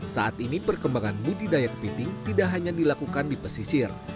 saat ini perkembangan budidaya kepiting tidak hanya dilakukan di pesisir